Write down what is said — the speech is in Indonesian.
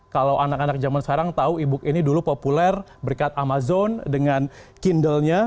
kalau anak anak zaman sekarang tahu e book ini dulu populer berkat amazon dengan kindlenya